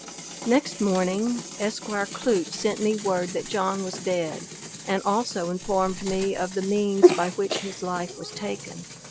Next morning, Esq. Clute sent me word that John was dead, and also informed me of the means by which his life was taken.